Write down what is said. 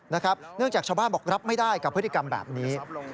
เนื่องจากชาวบ้านบอกรับไม่ได้กับพฤติกรรมแบบนี้